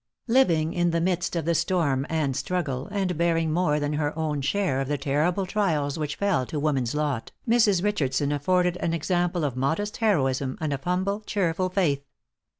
Living in the midst of the storm and struggle, and bearing more than her own share of the terrible trials which fell to woman's lot, Mrs. Richardson afforded an example of modest heroism, and of humble, cheerful faith.